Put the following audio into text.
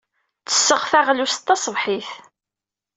Ttesseɣ taɣlust taṣebḥit.